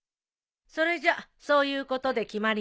それじゃそういうことで決まりね。